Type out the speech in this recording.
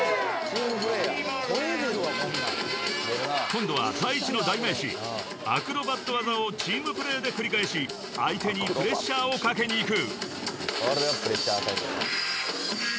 ［今度はＴａｉｃｈｉの代名詞アクロバット技をチームプレーで繰り返し相手にプレッシャーを掛けにいく］